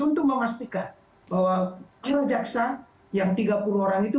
untuk memastikan bahwa kira jaksa yang tiga puluh orang itu